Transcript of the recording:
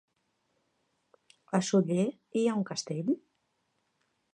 A Sóller hi ha un castell?